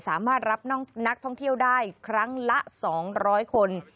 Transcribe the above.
สามารถรับนักท่องเที่ยวได้ครั้งละ๒๐๐คน